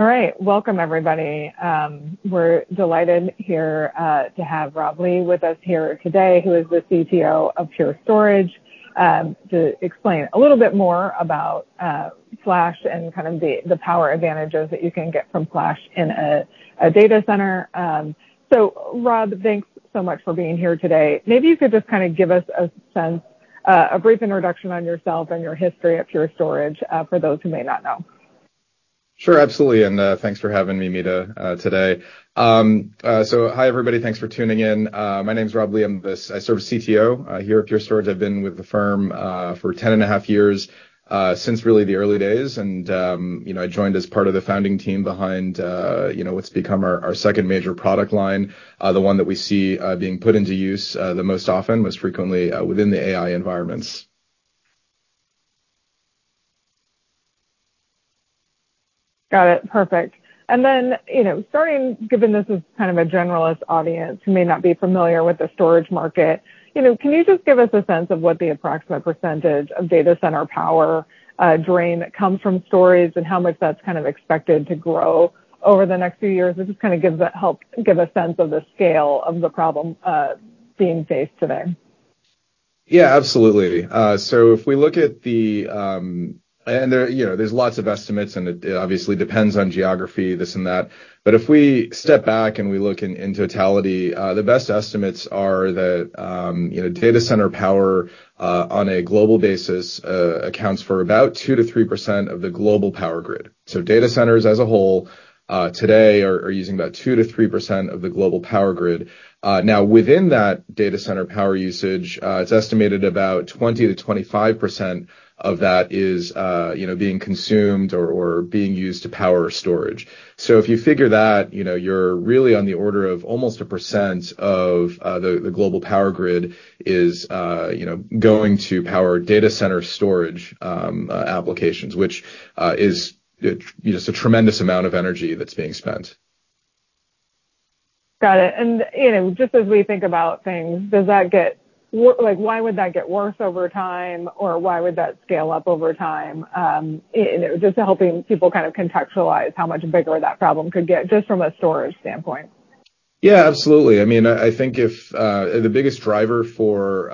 All right. Welcome, everybody. We're delighted here to have Rob Lee with us here today, who is the CTO of Pure Storage, to explain a little bit more about Flash and kind of the power advantages that you can get from Flash in a data center. So Rob, thanks so much for being here today. Maybe you could just kind of give us a sense, a brief introduction on yourself and your history at Pure Storage, for those who may not know. Sure. Absolutely. And thanks for having me, Meta, today. So hi, everybody. Thanks for tuning in. My name's Rob Lee. I'm the I serve as CTO here at Pure Storage. I've been with the firm for 10.5 years, since really the early days. And you know, I joined as part of the founding team behind, you know, what's become our our second major product line, the one that we see being put into use the most often, most frequently, within the AI environments. Got it. Perfect. And then, you know, starting given this is kind of a generalist audience who may not be familiar with the storage market, you know, can you just give us a sense of what the approximate percentage of data center power drain that comes from storage and how much that's kind of expected to grow over the next few years? It just kind of helps give a sense of the scale of the problem being faced today. Yeah. Absolutely. So if we look, you know, there's lots of estimates, and it obviously depends on geography, this and that. But if we step back and we look in totality, the best estimates are that, you know, data center power, on a global basis, accounts for about 2%-3% of the global power grid. So data centers as a whole, today are using about 2%-3% of the global power grid. Now, within that data center power usage, it's estimated about 20%-25% of that is, you know, being consumed or being used to power storage. So if you figure that, you know, you're really on the order of almost 1% of the global power grid is, you know, going to power data center storage applications, which is, you know, just a tremendous amount of energy that's being spent. Got it. You know, just as we think about things, does that get worse? Like, why would that get worse over time, or why would that scale up over time? You know, just helping people kind of contextualize how much bigger that problem could get just from a storage standpoint? Yeah. Absolutely. I mean, I think the biggest driver for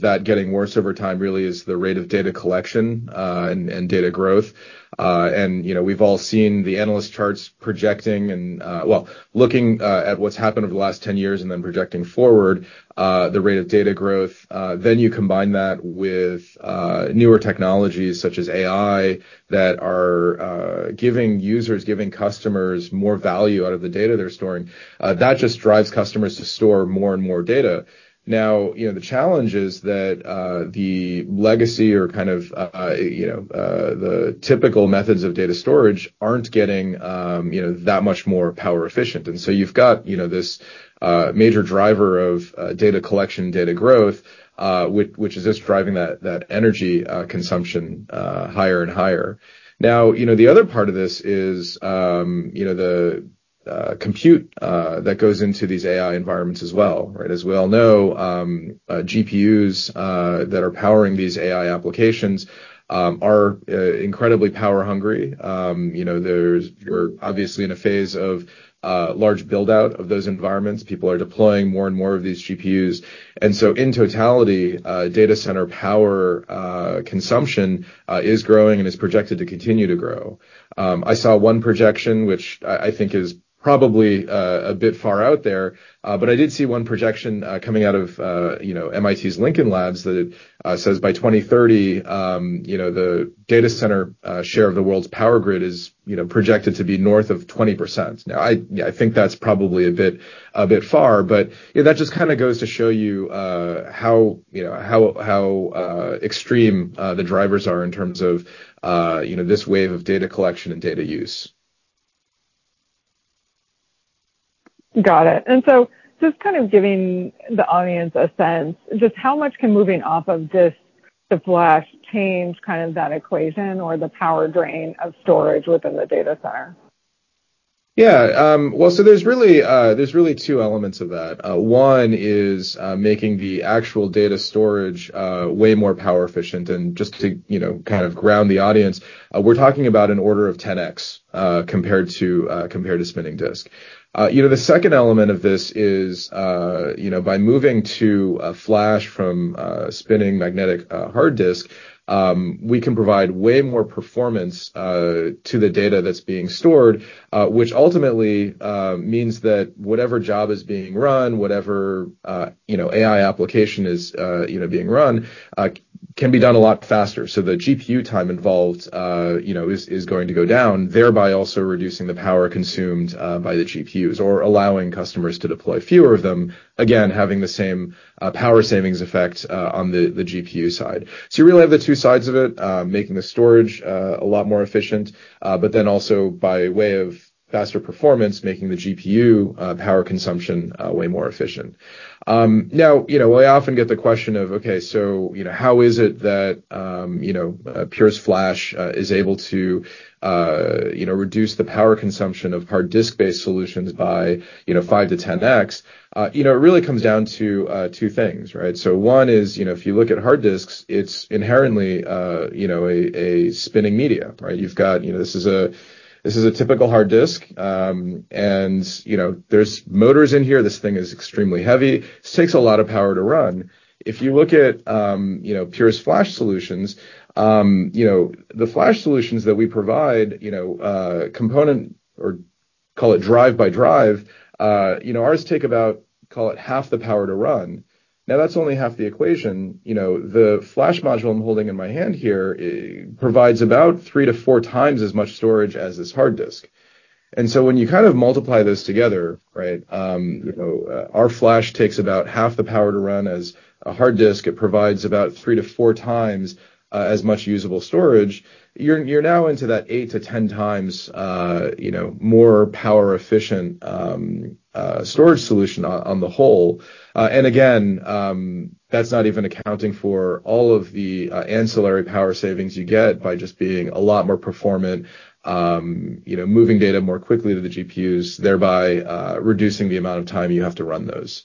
that getting worse over time really is the rate of data collection, and data growth. And, you know, we've all seen the analyst charts projecting, and well, looking at what's happened over the last 10 years and then projecting forward, the rate of data growth. Then you combine that with newer technologies such as AI that are giving users, customers more value out of the data they're storing. That just drives customers to store more and more data. Now, you know, the challenge is that the legacy or kind of, you know, the typical methods of data storage aren't getting, you know, that much more power efficient. And so you've got, you know, this major driver of data collection, data growth, which is just driving that energy consumption higher and higher. Now, you know, the other part of this is, you know, the compute that goes into these AI environments as well, right? As we all know, GPUs that are powering these AI applications are incredibly power hungry. You know, we're obviously in a phase of large buildout of those environments. People are deploying more and more of these GPUs. And so in totality, data center power consumption is growing and is projected to continue to grow. I saw one projection, which I think is probably a bit far out there, but I did see one projection coming out of, you know, MIT Lincoln Laboratory that says by 2030, you know, the data center share of the world's power grid is, you know, projected to be north of 20%. Now, I think that's probably a bit far, but, you know, that just kind of goes to show you, how, you know, how extreme, the drivers are in terms of, you know, this wave of data collection and data use. Got it. And so just kind of giving the audience a sense, just how much can moving off of this to Flash change kind of that equation or the power drain of storage within the data center? Yeah, well, so there's really two elements of that. One is making the actual data storage way more power efficient. And just to, you know, kind of ground the audience, we're talking about an order of 10x compared to spinning disk. You know, the second element of this is, you know, by moving to Flash from spinning magnetic hard disk, we can provide way more performance to the data that's being stored, which ultimately means that whatever job is being run, whatever, you know, AI application is, you know, being run, can be done a lot faster. So the GPU time involved, you know, is going to go down, thereby also reducing the power consumed by the GPUs or allowing customers to deploy fewer of them, again, having the same power savings effect on the GPU side. So you really have the two sides of it, making the storage a lot more efficient, but then also by way of faster performance, making the GPU power consumption way more efficient. Now, you know, well, I often get the question of, okay, so, you know, how is it that, you know, Pure's Flash is able to, you know, reduce the power consumption of hard disk-based solutions by, you know, 5x to 10x? You know, it really comes down to two things, right? So one is, you know, if you look at hard disks, it's inherently, you know, a spinning media, right? You've got, you know, this is a typical hard disk. And, you know, there's motors in here. This thing is extremely heavy. This takes a lot of power to run. If you look at, you know, Pure's Flash solutions, you know, the Flash solutions that we provide, you know, component or call it drive by drive, you know, ours take about, call it, half the power to run. Now, that's only half the equation. You know, the Flash module I'm holding in my hand here, provides about 3x to 4x as much storage as this hard disk. And so when you kind of multiply those together, right, you know, our Flash takes about half the power to run as a hard disk. It provides about 3x to 4x, as much usable storage. You're now into that 8x to 10x, you know, more power efficient, storage solution on the whole. And again, that's not even accounting for all of the ancillary power savings you get by just being a lot more performant, you know, moving data more quickly to the GPUs, thereby reducing the amount of time you have to run those.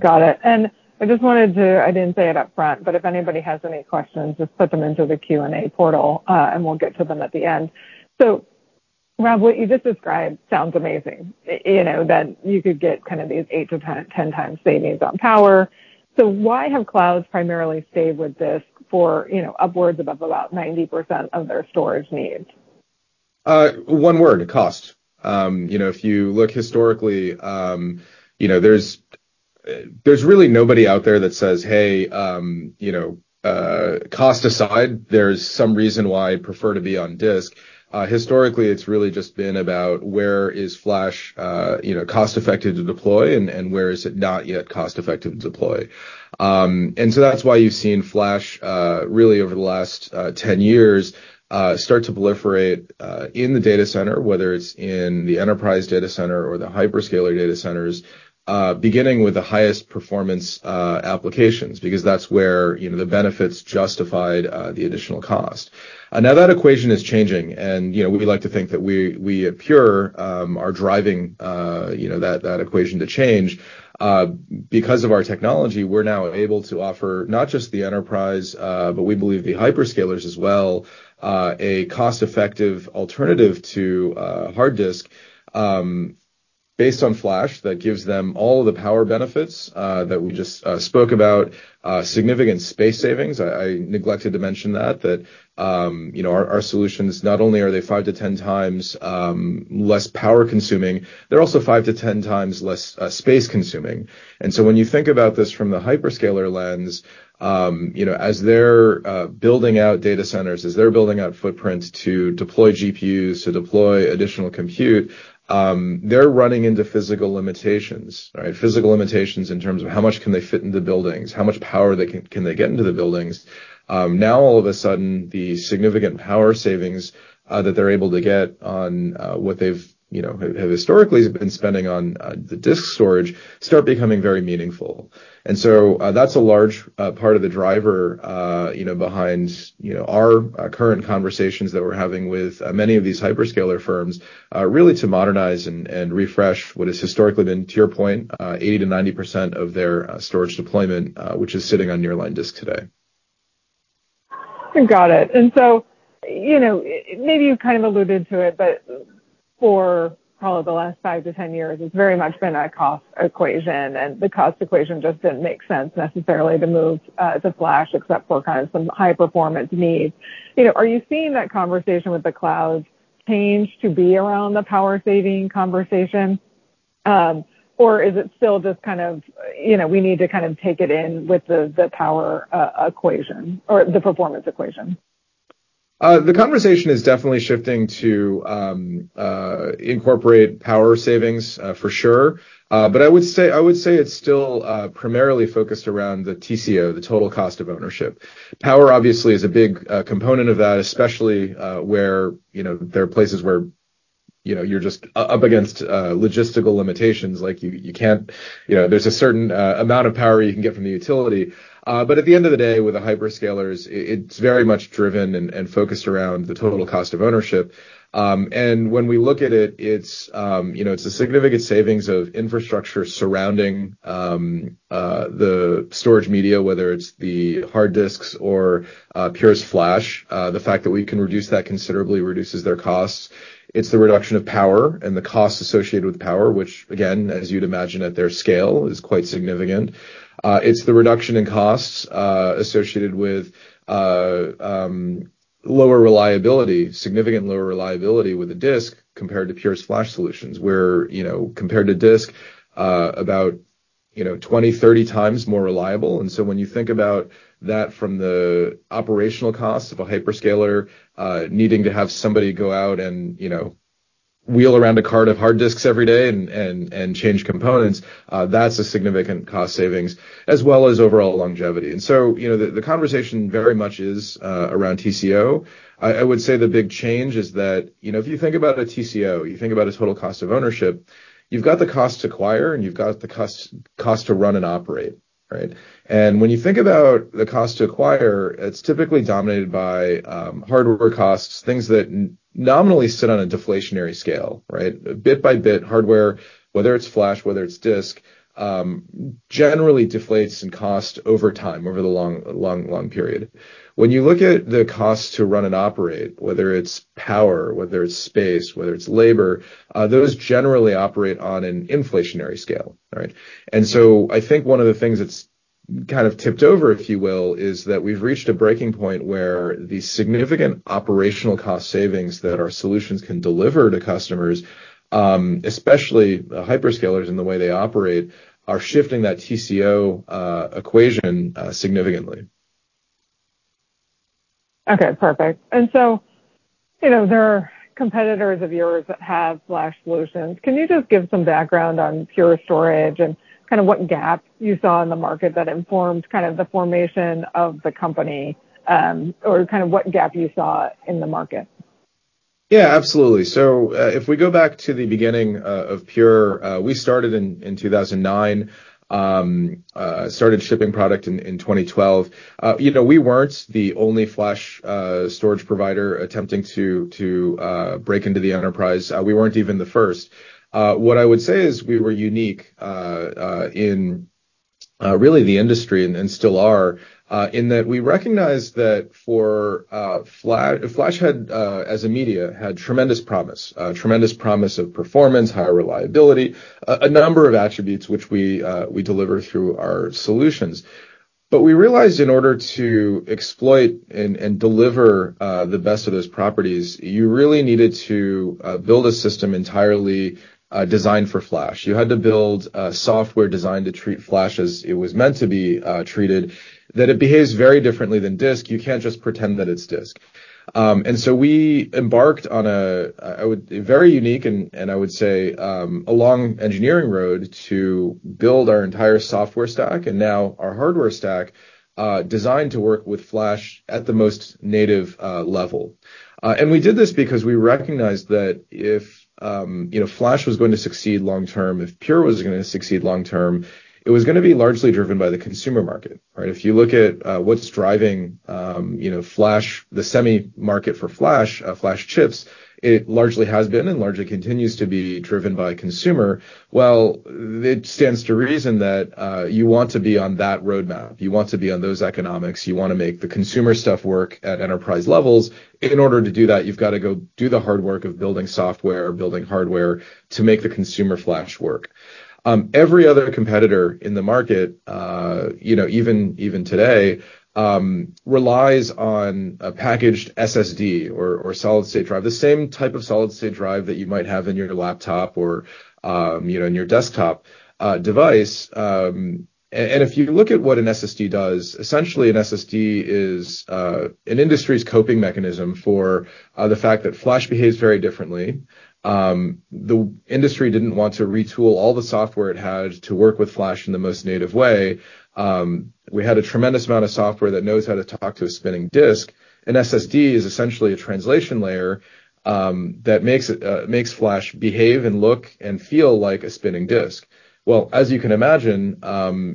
Got it. And I just wanted to, I didn't say it up front, but if anybody has any questions, just put them into the Q&A portal, and we'll get to them at the end. So, Rob, what you just described sounds amazing, you know, that you could get kind of these 8x to 10x savings on power. So why have clouds primarily stayed with this for, you know, upwards of about 90% of their storage needs? One word: cost. You know, if you look historically, you know, there's really nobody out there that says, "Hey, you know, cost aside, there's some reason why I prefer to be on disk." Historically, it's really just been about where is Flash, you know, cost effective to deploy, and where is it not yet cost effective to deploy. And so that's why you've seen Flash really over the last 10 years start to proliferate in the data center, whether it's in the enterprise data center or the hyperscaler data centers, beginning with the highest performance applications because that's where, you know, the benefits justified the additional cost. Now that equation is changing. You know, we like to think that we at Pure are driving, you know, that equation to change. Because of our technology, we're now able to offer not just the enterprise, but we believe the hyperscalers as well, a cost-effective alternative to hard disk based on Flash that gives them all of the power benefits that we just spoke about, significant space savings. I neglected to mention that, you know, our solutions not only are they 5x to 10x less power consuming, they're also 5x to 10x less space consuming. And so when you think about this from the hyperscaler lens, you know, as they're building out data centers, as they're building out footprint to deploy GPUs, to deploy additional compute, they're running into physical limitations, right? Physical limitations in terms of how much can they fit into the buildings, how much power can they get into the buildings. Now, all of a sudden, the significant power savings that they're able to get on what they've, you know, have historically been spending on the disk storage start becoming very meaningful. So, that's a large part of the driver, you know, behind our current conversations that we're having with many of these hyperscaler firms, really to modernize and refresh what has historically been, to your point, 80%-90% of their storage deployment, which is sitting on nearline disk today. Got it. And so, you know, maybe you kind of alluded to it, but for probably the last five to 10 years, it's very much been a cost equation, and the cost equation just didn't make sense necessarily to move, to Flash except for kind of some high-performance needs. You know, are you seeing that conversation with the cloud change to be around the power saving conversation, or is it still just kind of, you know, we need to kind of take it in with the power, equation or the performance equation? The conversation is definitely shifting to incorporate power savings, for sure. But I would say I would say it's still primarily focused around the TCO, the total cost of ownership. Power obviously is a big component of that, especially where, you know, there are places where, you know, you're just up against logistical limitations. Like, you can't, you know, there's a certain amount of power you can get from the utility. But at the end of the day, with the hyperscalers, it's very much driven and focused around the total cost of ownership. And when we look at it, it's, you know, it's a significant savings of infrastructure surrounding the storage media, whether it's the hard disks or Pure's Flash. The fact that we can reduce that considerably reduces their costs. It's the reduction of power and the cost associated with power, which, again, as you'd imagine at their scale, is quite significant. It's the reduction in costs associated with lower reliability, significantly lower reliability with the disk compared to Pure's Flash solutions, where, you know, compared to disk, about, you know, 20x to 30x more reliable. And so when you think about that from the operational cost of a hyperscaler, needing to have somebody go out and, you know, wheel around a cart of hard disks every day and change components, that's a significant cost savings as well as overall longevity. And so, you know, the conversation very much is around TCO. I would say the big change is that, you know, if you think about a TCO, you think about its total cost of ownership, you've got the cost to acquire, and you've got the cost to run and operate, right? And when you think about the cost to acquire, it's typically dominated by hardware costs, things that nominally sit on a deflationary scale, right? Bit by bit, hardware, whether it's Flash, whether it's disk, generally deflates in cost over time, over the long, long, long period. When you look at the cost to run and operate, whether it's power, whether it's space, whether it's labor, those generally operate on an inflationary scale, right? And so I think one of the things that's kind of tipped over, if you will, is that we've reached a breaking point where the significant operational cost savings that our solutions can deliver to customers, especially the hyperscalers and the way they operate, are shifting that TCO equation significantly. Okay. Perfect. And so, you know, there are competitors of yours that have Flash solutions. Can you just give some background on Pure Storage and kind of what gap you saw in the market that informed kind of the formation of the company, or kind of what gap you saw in the market? Yeah, absolutely. So, if we go back to the beginning of Pure, we started in 2009, started shipping product in 2012. You know, we weren't the only Flash storage provider attempting to break into the enterprise. We weren't even the first. What I would say is we were unique in really the industry and still are, in that we recognized that for Flash, Flash had, as a media, had tremendous promise of performance, high reliability, a number of attributes which we deliver through our solutions. But we realized in order to exploit and deliver the best of those properties, you really needed to build a system entirely designed for Flash. You had to build a software designed to treat Flash as it was meant to be treated, that it behaves very differently than disk. You can't just pretend that it's disk. and so we embarked on a very unique and, I would say, a long engineering road to build our entire software stack and now our hardware stack, designed to work with Flash at the most native level. And we did this because we recognized that if, you know, Flash was going to succeed long term, if Pure was going to succeed long term, it was going to be largely driven by the consumer market, right? If you look at what's driving, you know, Flash, the semi-market for Flash, Flash chips, it largely has been and largely continues to be driven by consumer. Well, it stands to reason that you want to be on that roadmap. You want to be on those economics. You want to make the consumer stuff work at enterprise levels. In order to do that, you've got to go do the hard work of building software, building hardware to make the consumer Flash work. Every other competitor in the market, you know, even today, relies on a packaged SSD or solid-state drive, the same type of solid-state drive that you might have in your laptop or, you know, in your desktop device. And if you look at what an SSD does, essentially, an SSD is an industry's coping mechanism for the fact that Flash behaves very differently. The industry didn't want to retool all the software it had to work with Flash in the most native way. We had a tremendous amount of software that knows how to talk to a spinning disk. An SSD is essentially a translation layer that makes Flash behave and look and feel like a spinning disk. Well, as you can imagine,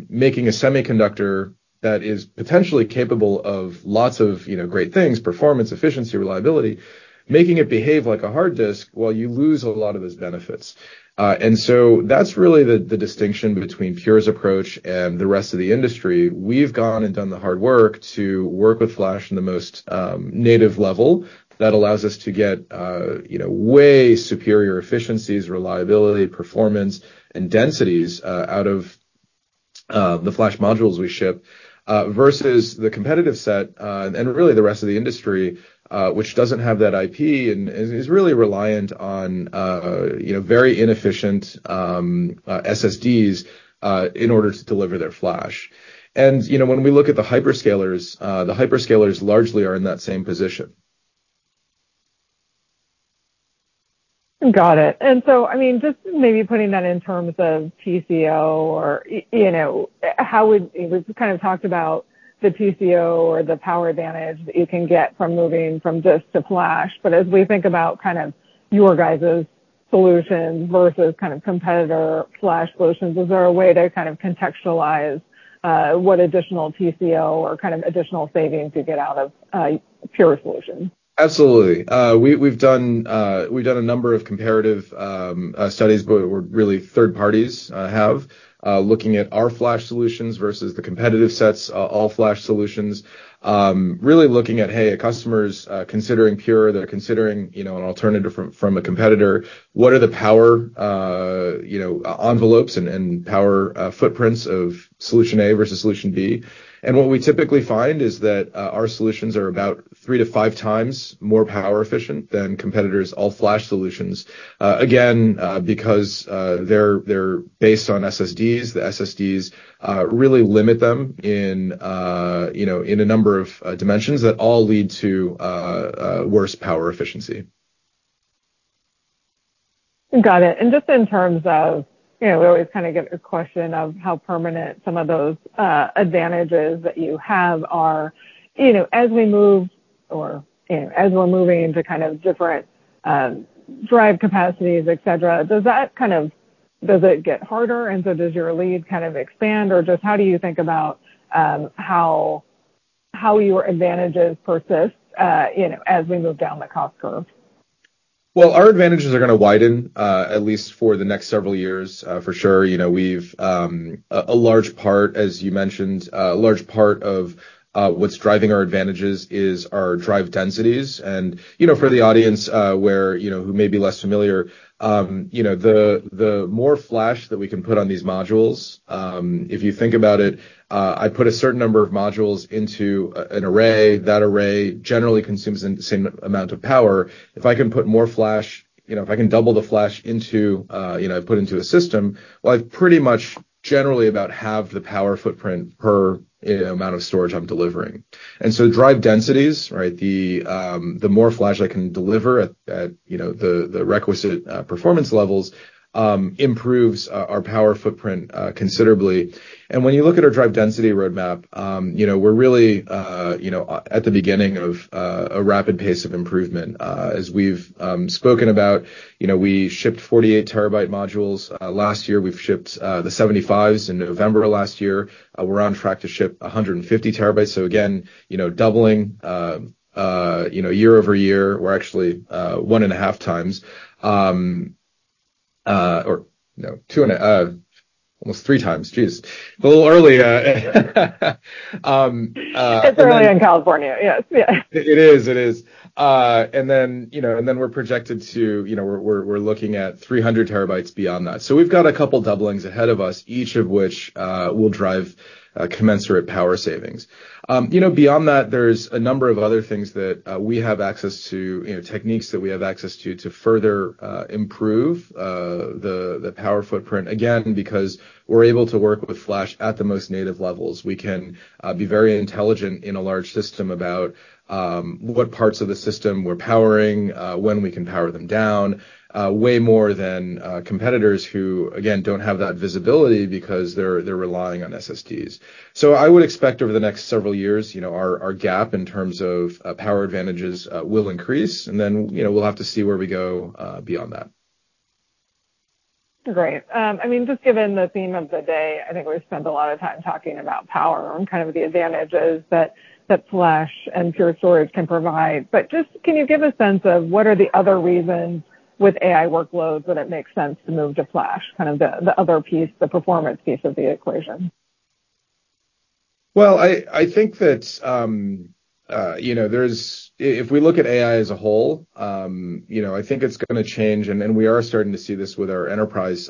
making a semiconductor that is potentially capable of lots of, you know, great things, performance, efficiency, reliability, making it behave like a hard disk, well, you lose a lot of those benefits. And so that's really the distinction between Pure's approach and the rest of the industry. We've gone and done the hard work to work with Flash in the most native level that allows us to get, you know, way superior efficiencies, reliability, performance, and densities out of the Flash modules we ship, versus the competitive set, and really the rest of the industry, which doesn't have that IP and is really reliant on, you know, very inefficient SSDs in order to deliver their Flash. And, you know, when we look at the hyperscalers, the hyperscalers largely are in that same position. Got it. So, I mean, just maybe putting that in terms of TCO or, you know, how would we have kind of talked about the TCO or the power advantage that you can get from moving from disk to Flash. But as we think about kind of your guys' solutions versus kind of competitor Flash solutions, is there a way to kind of contextualize what additional TCO or kind of additional savings you get out of Pure solutions? Absolutely. We've done a number of comparative studies, but really, third parties have been looking at our Flash solutions versus the competitive sets all-Flash solutions, really looking at hey, a customer's considering Pure, they're considering you know, an alternative from a competitor, what are the power you know, envelopes and power footprints of solution A versus solution B? What we typically find is that our solutions are about 3x to 5x more power efficient than competitors' all-Flash solutions, again, because they're based on SSDs. The SSDs really limit them in you know, in a number of dimensions that all lead to worse power efficiency. Got it. And just in terms of, you know, we always kind of get a question of how permanent some of those advantages that you have are, you know, as we move or, you know, as we're moving into kind of different drive capacities, etc., does it get harder? And so does your lead kind of expand or just how do you think about how your advantages persist, you know, as we move down the cost curve? Well, our advantages are going to widen, at least for the next several years, for sure. You know, we've, as you mentioned, a large part of what's driving our advantages is our drive densities. And, you know, for the audience, where, you know, who may be less familiar, you know, the more Flash that we can put on these modules, if you think about it, I put a certain number of modules into an array. That array generally consumes the same amount of power. If I can put more Flash, you know, if I can double the Flash into, you know, I put into a system, well, I've pretty much generally about halved the power footprint per amount of storage I'm delivering. And so drive densities, right, the more Flash I can deliver at, you know, the requisite performance levels, improves our power footprint considerably. And when you look at our drive density roadmap, you know, we're really, you know, at the beginning of a rapid pace of improvement, as we've spoken about, you know, we shipped 48 TB modules last year. We've shipped the 75s in November last year. We're on track to ship 150 TB. So again, you know, doubling, you know, year-over-year, we're actually 1.5x, or no, two and a, almost 3x. Jeez. A little early. It's early in California. Yes. Yeah. It is. It is. And then, you know, and then we're projected to, you know, we're looking at 300 TB beyond that. So we've got a couple doublings ahead of us, each of which will drive commensurate power savings. You know, beyond that, there's a number of other things that we have access to, you know, techniques that we have access to to further improve the power footprint, again, because we're able to work with Flash at the most native levels. We can be very intelligent in a large system about what parts of the system we're powering, when we can power them down, way more than competitors who, again, don't have that visibility because they're relying on SSDs. So I would expect over the next several years, you know, our gap in terms of power advantages will increase. And then, you know, we'll have to see where we go, beyond that. Great. I mean, just given the theme of the day, I think we've spent a lot of time talking about power and kind of the advantages that Flash and Pure Storage can provide. But just can you give a sense of what are the other reasons with AI workloads that it makes sense to move to Flash, kind of the other piece, the performance piece of the equation? Well, I think that, you know, there's if we look at AI as a whole, you know, I think it's going to change. And we are starting to see this with our enterprise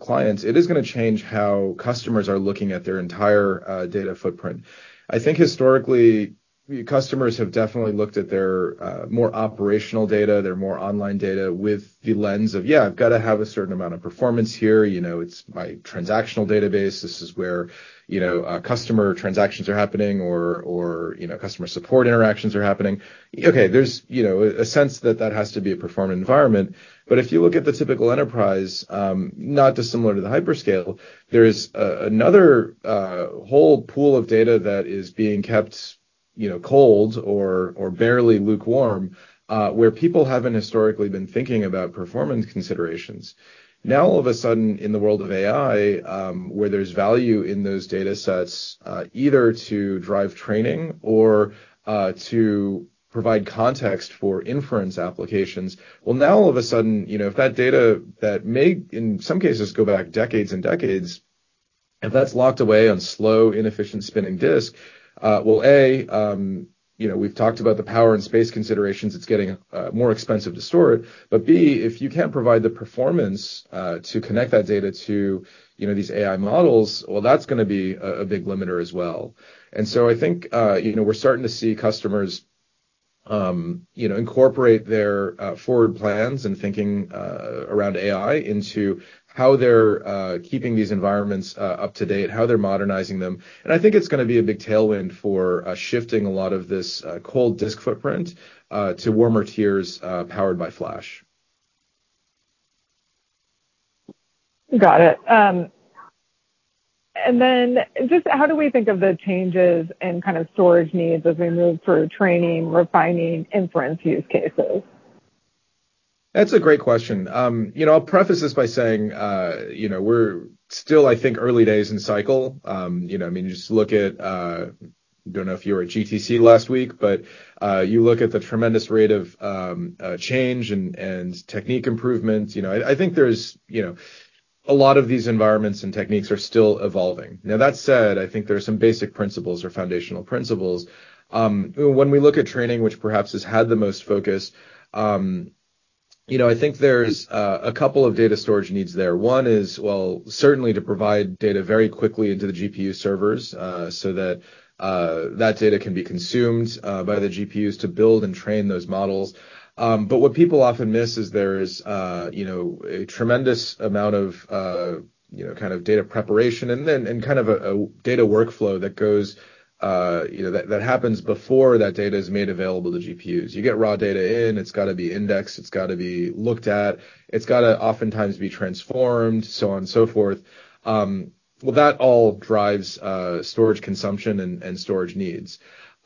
clients. It is going to change how customers are looking at their entire data footprint. I think historically, customers have definitely looked at their more operational data, their more online data with the lens of, yeah, I've got to have a certain amount of performance here. You know, it's my transactional database. This is where, you know, customer transactions are happening or, you know, customer support interactions are happening. Okay. There's, you know, a sense that that has to be a performant environment. But if you look at the typical enterprise, not dissimilar to the hyperscaler, there is another, whole pool of data that is being kept, you know, cold or barely lukewarm, where people haven't historically been thinking about performance considerations. Now, all of a sudden, in the world of AI, where there's value in those data sets, either to drive training or, to provide context for inference applications, well, now all of a sudden, you know, if that data that may in some cases go back decades and decades, if that's locked away on slow, inefficient spinning disk, well, A, you know, we've talked about the power and space considerations. It's getting more expensive to store it. But B, if you can't provide the performance, to connect that data to, you know, these AI models, well, that's going to be a big limiter as well. So I think, you know, we're starting to see customers, you know, incorporate their forward plans and thinking around AI into how they're keeping these environments up to date, how they're modernizing them. I think it's going to be a big tailwind for shifting a lot of this cold disk footprint to warmer tiers powered by Flash. Got it. And then just how do we think of the changes in kind of storage needs as we move through training, refining, inference use cases? That's a great question. You know, I'll preface this by saying, you know, we're still, I think, early days in cycle. You know, I mean, just look at, I don't know if you were at GTC last week, but, you look at the tremendous rate of, change and technique improvements. You know, I think there's, you know, a lot of these environments and techniques are still evolving. Now, that said, I think there are some basic principles or foundational principles. When we look at training, which perhaps has had the most focus, you know, I think there's, a couple of data storage needs there. One is, well, certainly to provide data very quickly into the GPU servers, so that, that data can be consumed, by the GPUs to build and train those models. But what people often miss is there's, you know, a tremendous amount of, you know, kind of data preparation and then kind of a data workflow that goes, you know, that happens before that data is made available to GPUs. You get raw data in. It's got to be indexed. It's got to be looked at. It's got to oftentimes be transformed, so on and so forth. Well, that all drives storage consumption and storage needs.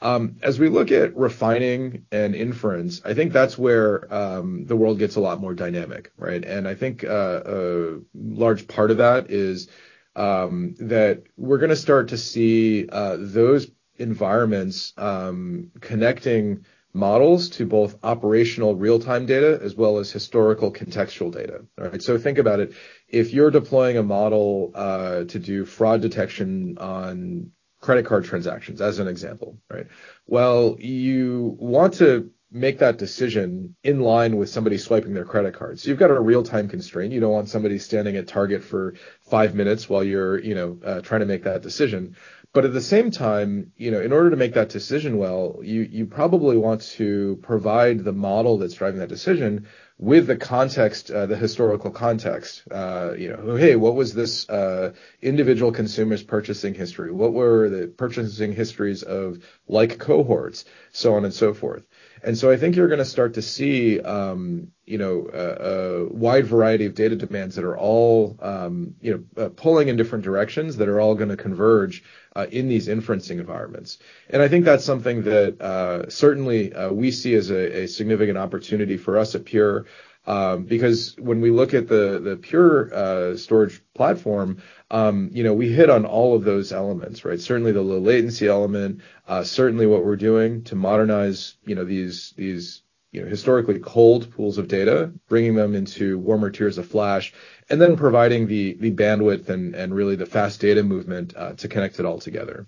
As we look at refining and inference, I think that's where the world gets a lot more dynamic, right? And I think a large part of that is that we're going to start to see those environments connecting models to both operational real-time data as well as historical contextual data. All right. So think about it. If you're deploying a model, to do fraud detection on credit card transactions, as an example, right, well, you want to make that decision in line with somebody swiping their credit card. So you've got a real-time constraint. You don't want somebody standing at Target for five minutes while you're, you know, trying to make that decision. But at the same time, you know, in order to make that decision well, you probably want to provide the model that's driving that decision with the context, the historical context, you know, hey, what was this individual consumer's purchasing history? What were the purchasing histories of like cohorts, so on and so forth? And so I think you're going to start to see, you know, a wide variety of data demands that are all, you know, pulling in different directions that are all going to converge in these inferencing environments. I think that's something that, certainly, we see as a significant opportunity for us at Pure, because when we look at the Pure storage platform, you know, we hit on all of those elements, right? Certainly the low latency element, certainly what we're doing to modernize, you know, these, you know, historically cold pools of data, bringing them into warmer tiers of Flash, and then providing the bandwidth and really the fast data movement, to connect it all together.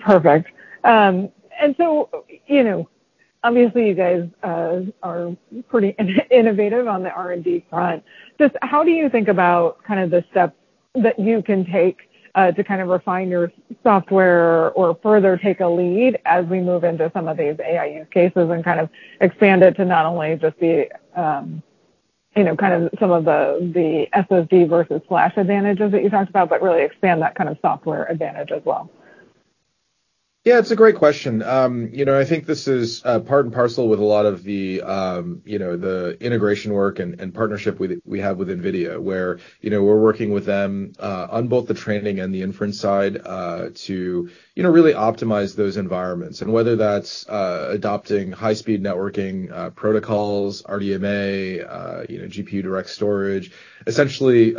Perfect. And so, you know, obviously, you guys are pretty innovative on the R&D front. Just how do you think about kind of the steps that you can take to kind of refine your software or further take a lead as we move into some of these AI use cases and kind of expand it to not only just be, you know, kind of some of the SSD versus Flash advantages that you talked about, but really expand that kind of software advantage as well? Yeah, it's a great question. You know, I think this is part and parcel with a lot of the, you know, the integration work and partnership we have with NVIDIA, where, you know, we're working with them on both the training and the inference side to, you know, really optimize those environments. And whether that's adopting high-speed networking protocols, RDMA, you know, GPUDirect Storage, essentially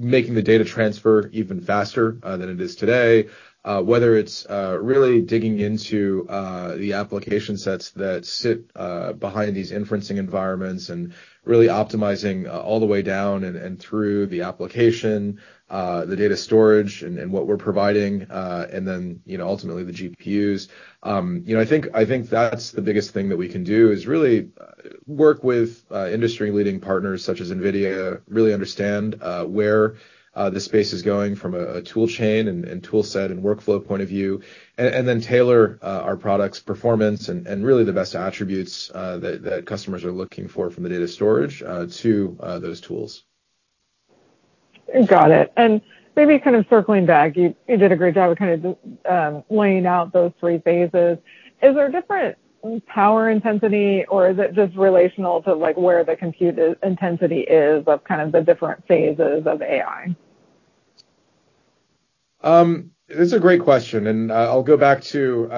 making the data transfer even faster than it is today, whether it's really digging into the application sets that sit behind these inferencing environments and really optimizing all the way down and through the application, the data storage and what we're providing, and then, you know, ultimately, the GPUs. You know, I think that's the biggest thing that we can do is really work with industry-leading partners such as NVIDIA, really understand where the space is going from a toolchain and toolset and workflow point of view, and then tailor our products' performance and really the best attributes that customers are looking for from the data storage to those tools. Got it. And maybe kind of circling back, you did a great job of kind of laying out those three phases. Is there different power intensity, or is it just relational to, like, where the compute intensity is of kind of the different phases of AI? It's a great question. I'll go back to,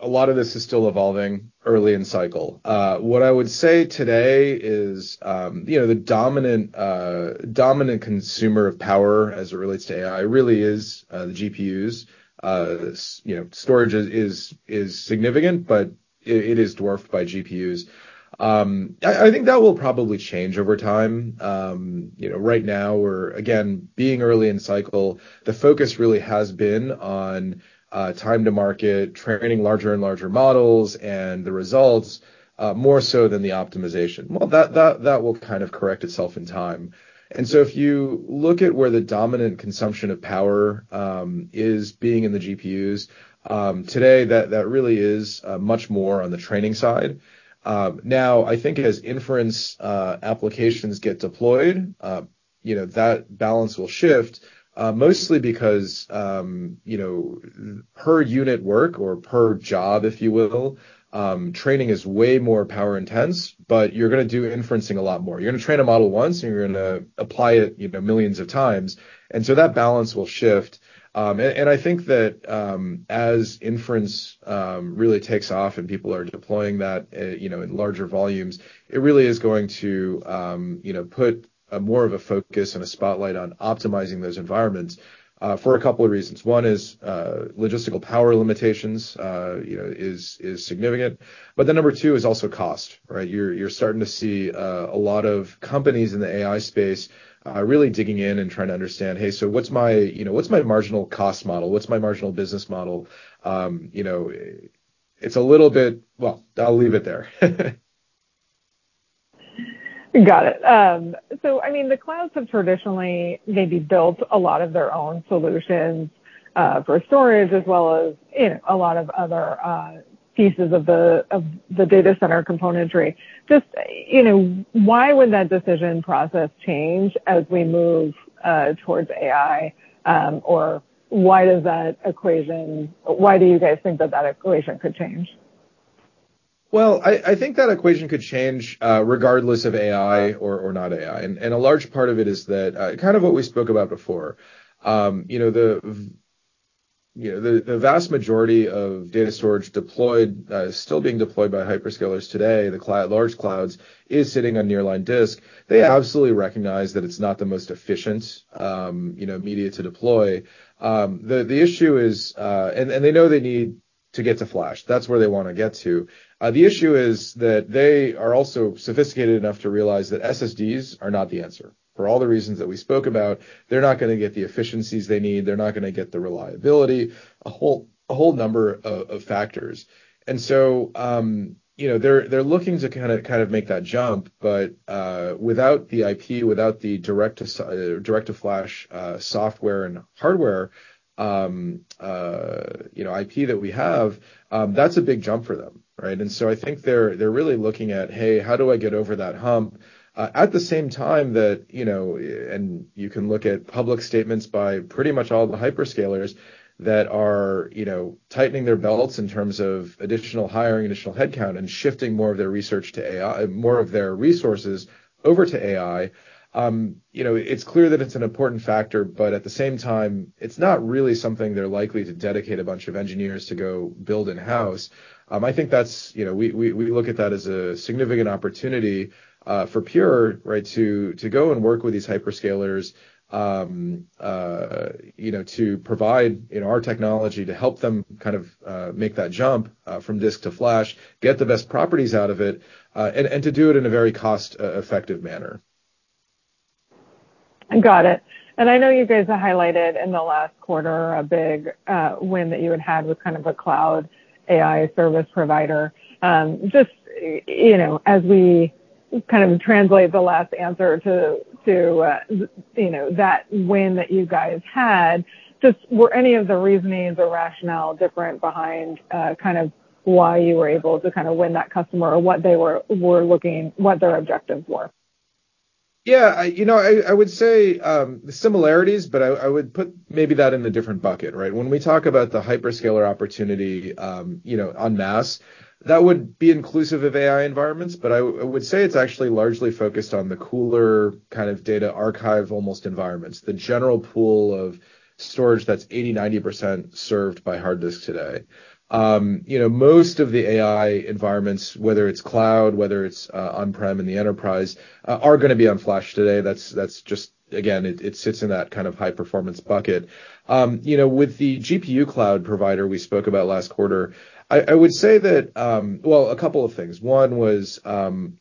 a lot of this is still evolving early in cycle. What I would say today is, you know, the dominant consumer of power as it relates to AI really is, the GPUs. You know, storage is significant, but it is dwarfed by GPUs. I think that will probably change over time. You know, right now, we're, again, being early in cycle, the focus really has been on, time to market, training larger and larger models, and the results, more so than the optimization. Well, that will kind of correct itself in time. And so if you look at where the dominant consumption of power, is being in the GPUs, today, that really is, much more on the training side. Now, I think as inference applications get deployed, you know, that balance will shift, mostly because, you know, per unit work or per job, if you will, training is way more power-intense, but you're going to do inferencing a lot more. You're going to train a model once, and you're going to apply it, you know, millions of times. And so that balance will shift. And I think that, as inference really takes off and people are deploying that, you know, in larger volumes, it really is going to, you know, put a more of a focus and a spotlight on optimizing those environments, for a couple of reasons. One is, logistical power limitations, you know, is significant. But then number two is also cost, right? You're starting to see a lot of companies in the AI space really digging in and trying to understand, hey, so what's my, you know, what's my marginal cost model? What's my marginal business model? You know, it's a little bit, well, I'll leave it there. Got it. So, I mean, the clouds have traditionally maybe built a lot of their own solutions for storage as well as, you know, a lot of other pieces of the data center componentry. Just, you know, why would that decision process change as we move towards AI, or why does that equation why do you guys think that that equation could change? Well, I think that equation could change, regardless of AI or not AI. And a large part of it is that, kind of what we spoke about before, you know, the vast majority of data storage deployed, still being deployed by hyperscalers today, the large clouds, is sitting on nearline disk. They absolutely recognize that it's not the most efficient, you know, media to deploy. The issue is, and they know they need to get to Flash. That's where they want to get to. The issue is that they are also sophisticated enough to realize that SSDs are not the answer. For all the reasons that we spoke about, they're not going to get the efficiencies they need. They're not going to get the reliability, a whole number of factors. And so, you know, they're looking to kind of make that jump, but without the IP, without the direct-to-flash software and hardware, you know, IP that we have, that's a big jump for them, right? And so I think they're really looking at, hey, how do I get over that hump, at the same time that, you know, and you can look at public statements by pretty much all the hyperscalers that are, you know, tightening their belts in terms of additional hiring, additional headcount, and shifting more of their research to AI, more of their resources over to AI. You know, it's clear that it's an important factor, but at the same time, it's not really something they're likely to dedicate a bunch of engineers to go build in-house. I think that's, you know, we look at that as a significant opportunity for Pure, right, to go and work with these hyperscalers, you know, to provide, you know, our technology to help them kind of make that jump from disk to Flash, get the best properties out of it, and to do it in a very cost-effective manner. Got it. I know you guys have highlighted in the last quarter a big win that you had with kind of a cloud AI service provider. Just, you know, as we kind of translate the last answer to that win that you guys had, were any of the reasonings or rationale different behind kind of why you were able to kind of win that customer or what they were looking, what their objectives were? Yeah. I, you know, I I would say, the similarities, but I I would put maybe that in a different bucket, right? When we talk about the hyperscaler opportunity, you know, en masse, that would be inclusive of AI environments, but I I would say it's actually largely focused on the cooler kind of data archive almost environments, the general pool of storage that's 80%-90% served by hard disk today. You know, most of the AI environments, whether it's cloud, whether it's, on-prem in the enterprise, are going to be on Flash today. That's that's just, again, it it sits in that kind of high-performance bucket. You know, with the GPU cloud provider we spoke about last quarter, I I would say that, well, a couple of things. One was,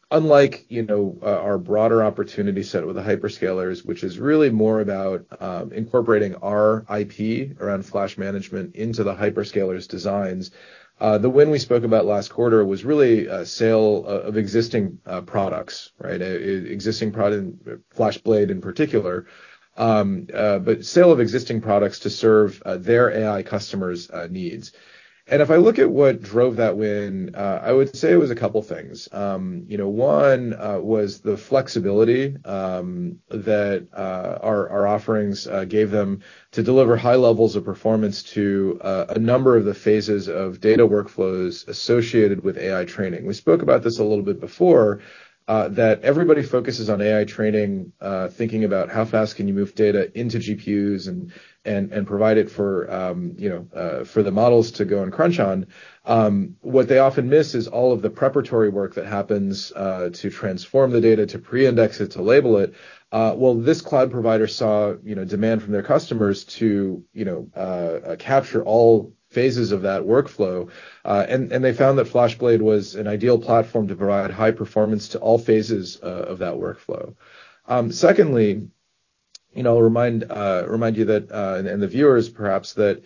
unlike, you know, our broader opportunity set with the hyperscalers, which is really more about incorporating our IP around flash management into the hyperscalers' designs. The win we spoke about last quarter was really sale of existing products, right? Existing product in FlashBlade in particular, but sale of existing products to serve their AI customers' needs. And if I look at what drove that win, I would say it was a couple of things. You know, one was the flexibility that our offerings gave them to deliver high levels of performance to a number of the phases of data workflows associated with AI training. We spoke about this a little bit before, that everybody focuses on AI training, thinking about how fast can you move data into GPUs and provide it for, you know, for the models to go and crunch on. What they often miss is all of the preparatory work that happens, to transform the data, to pre-index it, to label it. Well, this cloud provider saw, you know, demand from their customers to, you know, capture all phases of that workflow, and they found that FlashBlade was an ideal platform to provide high performance to all phases, of that workflow. Secondly, you know, I'll remind you that, and the viewers, perhaps, that,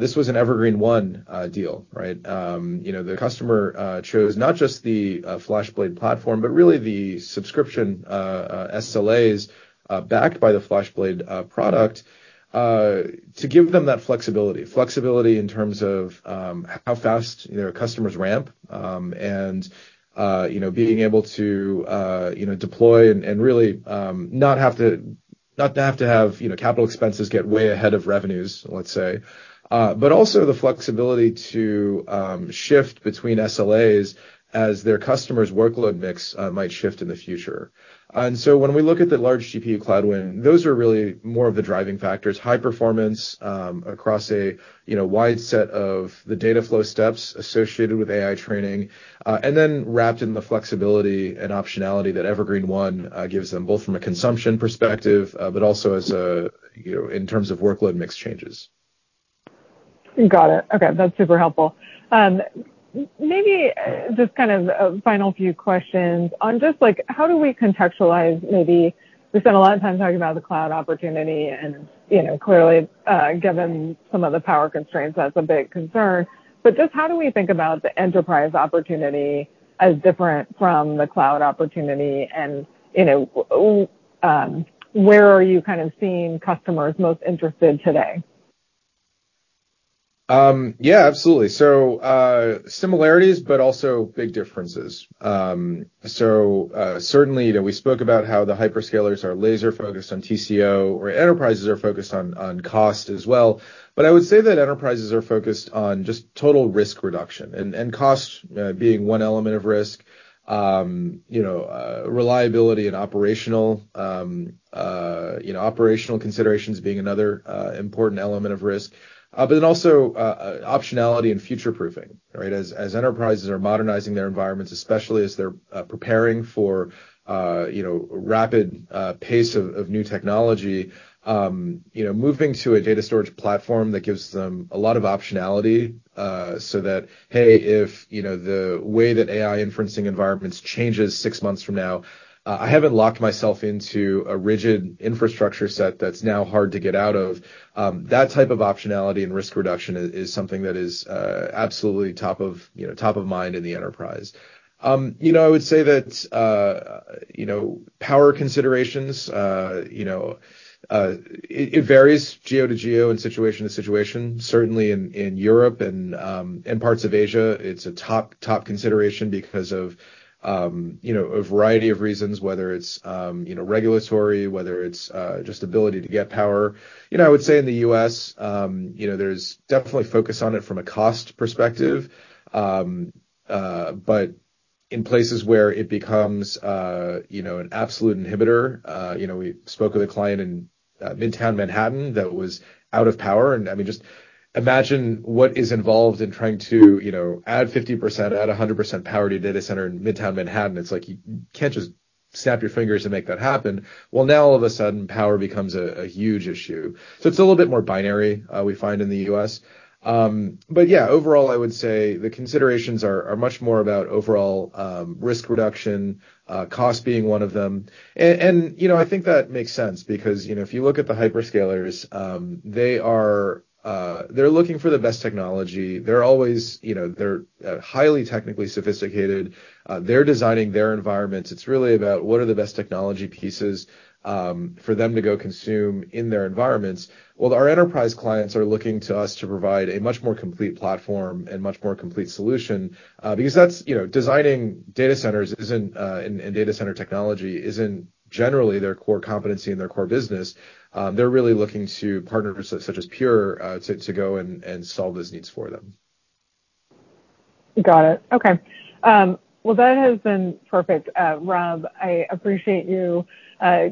this was an Evergreen One deal, right? You know, the customer chose not just the FlashBlade platform, but really the subscription SLAs backed by the FlashBlade product to give them that flexibility, flexibility in terms of how fast, you know, customers ramp, and, you know, being able to, you know, deploy and really not have to have, you know, capital expenses get way ahead of revenues, let's say, but also the flexibility to shift between SLAs as their customers' workload mix might shift in the future. And so when we look at the large GPU cloud win, those are really more of the driving factors, high performance across a, you know, wide set of the data flow steps associated with AI training, and then wrapped in the flexibility and optionality that Evergreen One gives them both from a consumption perspective, but also as a, you know, in terms of workload mix changes. Got it. Okay. That's super helpful. Maybe just kind of a final few questions on just, like, how do we contextualize maybe we spent a lot of time talking about the cloud opportunity and, you know, clearly, given some of the power constraints, that's a big concern. But just how do we think about the enterprise opportunity as different from the cloud opportunity and, you know, where are you kind of seeing customers most interested today? Yeah, absolutely. So, similarities, but also big differences. So, certainly, you know, we spoke about how the hyperscalers are laser-focused on TCO, or enterprises are focused on cost as well. But I would say that enterprises are focused on just total risk reduction and cost, being one element of risk, you know, reliability and operational considerations being another important element of risk, but then also optionality and future-proofing, right? As enterprises are modernizing their environments, especially as they're preparing for, you know, rapid pace of new technology, you know, moving to a data storage platform that gives them a lot of optionality, so that, hey, if, you know, the way that AI inferencing environments changes six months from now, I haven't locked myself into a rigid infrastructure set that's now hard to get out of. That type of optionality and risk reduction is something that is, absolutely top of, you know, top of mind in the enterprise. You know, I would say that, you know, power considerations, you know, it varies geo to geo and situation to situation. Certainly in Europe and parts of Asia, it's a top consideration because of, you know, a variety of reasons, whether it's, you know, regulatory, whether it's, just ability to get power. You know, I would say in the U.S., you know, there's definitely focus on it from a cost perspective, but in places where it becomes, you know, an absolute inhibitor, you know, we spoke with a client in Midtown Manhattan that was out of power. And I mean, just imagine what is involved in trying to, you know, add 50%, add 100% power to your data center in Midtown Manhattan. It's like you can't just snap your fingers and make that happen. Well, now, all of a sudden, power becomes a huge issue. So it's a little bit more binary, we find in the U.S. But yeah, overall, I would say the considerations are much more about overall risk reduction, cost being one of them. And, you know, I think that makes sense because, you know, if you look at the hyperscalers, they are, they're looking for the best technology. They're always, you know, they're highly technically sophisticated. They're designing their environments. It's really about what are the best technology pieces for them to go consume in their environments. Well, our enterprise clients are looking to us to provide a much more complete platform and much more complete solution, because that's, you know, designing data centers isn't, and data center technology isn't generally their core competency and their core business. They're really looking to partners such as Pure, to go and solve those needs for them. Got it. Okay, well, that has been perfect. Rob, I appreciate you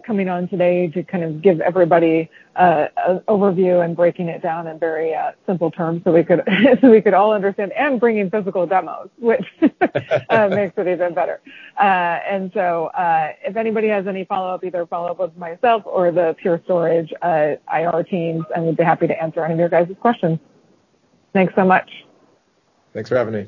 coming on today to kind of give everybody an overview and breaking it down in very simple terms so we could all understand and bringing physical demos, which makes it even better. So, if anybody has any follow-up, either follow-up with myself or the Pure Storage IR teams, I would be happy to answer any of your guys' questions. Thanks so much. Thanks for having me.